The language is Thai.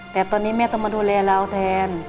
แต่ตอนนี้แม่ต้องมาดูแลเราแทน